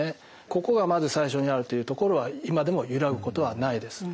ここがまず最初にあるというところは今でも揺らぐことはないです。